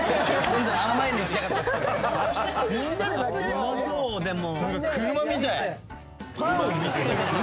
うまそうでも。